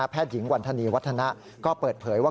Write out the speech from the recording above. แพทย์หญิงวรรษณีวัฒนาก็เปิดเผยว่า